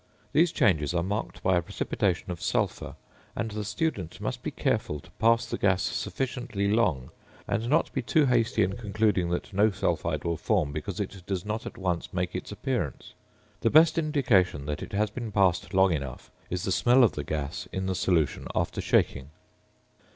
These changes are marked by a precipitation of sulphur, and the student must be careful to pass the gas sufficiently long, and not be too hasty in concluding that no sulphide will form because it does not at once make its appearance. The best indication that it has been passed long enough is the smell of the gas in the solution after shaking.